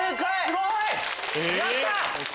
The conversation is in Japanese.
すごい！やった！